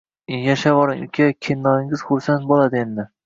Yashavoring uka, kennoyingiz xursand bo`ladi endi